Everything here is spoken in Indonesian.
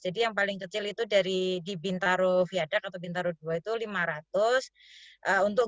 jadi yang paling kecil itu dari di bintaroviaduk atau bintaro ii itu rp lima ratus